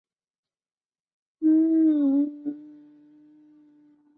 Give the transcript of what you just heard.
长穗柽柳为柽柳科柽柳属下的一个种。